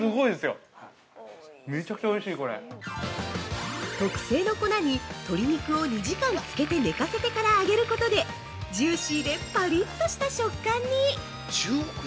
◆特製の粉に鶏肉を２時間つけて寝かせてから揚げることで、ジューシーでパリッとした食感に！！